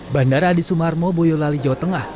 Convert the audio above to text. bandara adi sumarmo boyolali jawa tengah